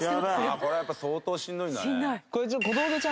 これはやっぱ相当しんどいんだね。